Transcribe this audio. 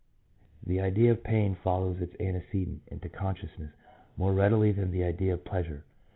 2 The idea of pain follows its ante cedent into consciousness more readily than the idea of pleasure.